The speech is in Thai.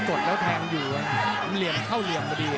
ใครยังไม่ต้องตีให้ยุบเลยนะครับรุ่นพี่